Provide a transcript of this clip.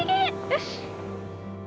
よし！